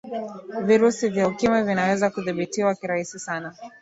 virusi vya ukimwi vinaweza kuthibitiwa kirahisi sana